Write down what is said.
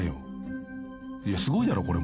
［いやすごいだろこれも］